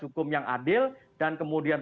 hukum yang adil dan kemudian